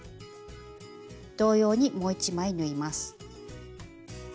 同様にもう１枚縫います。